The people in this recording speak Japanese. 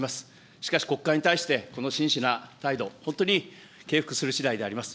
しかし、国会に対して、この真摯な態度、本当に敬服するしだいであります。